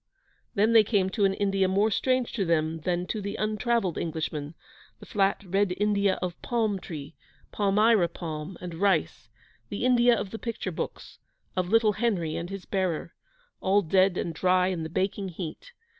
Then they came to an India more strange to them than to the untravelled Englishman the flat, red India of palm tree, palmyra palm, and rice, the India of the picture books, of Little Henry and His Bearer all dead and dry in the baking heat.